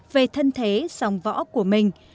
về thân thế dòng võ của mình